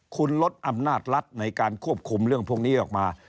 คุณลดอำนาจรัฐในการควบคุมเรื่องพวกนี้ออกมา